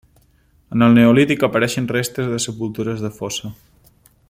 En el neolític apareixen restes de sepultures de fossa.